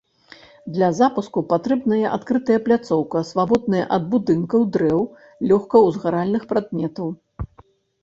Для запуску патрэбная адкрытая пляцоўка, свабодная ад будынкаў, дрэў, лёгкаўзгаральных прадметаў.